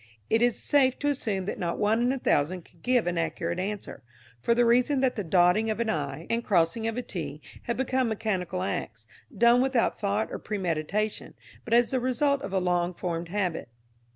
It is safe to assume that not one in a thousand could give an accurate answer, for the reason that the dotting of an i and crossing of a t have become mechanical acts, done without thought or premeditation, but as the result of a long formed habit.